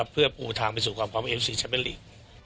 เพื่อปูทางไปสู่ความพร้อมเอฟซีแชมเป็นลีก